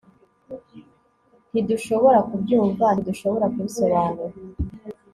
ntidushobora kubyumva, ntidushobora kubisobanura